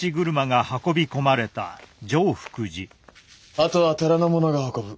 あとは寺の者が運ぶ。